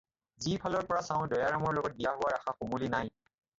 যি ফালৰ পৰা চাওঁ, দয়াৰামৰ লগত বিয়া হোৱাৰ আশা সমূলি নাই।